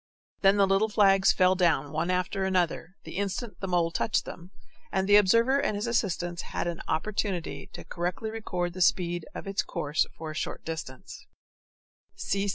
Then the little flags fell down one after another, the instant the mole touched them, and the observer and his assistants had an opportunity to correctly record the speed of its course for a short distance.